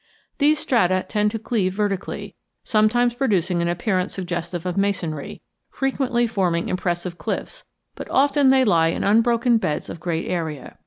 These strata tend to cleave vertically, sometimes producing an appearance suggestive of masonry, frequently forming impressive cliffs; but often they lie in unbroken beds of great area.